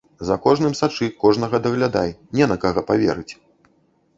За кожным сачы, кожнага даглядай, не на каго паверыць!